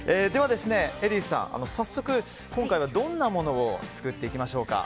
エリィさん、早速今回はどんなもの作っていきましょうか。